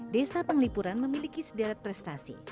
desa penglipuran memiliki sederet prestasi